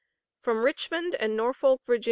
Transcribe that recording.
FROM RICHMOND AND NORFOLK, VA.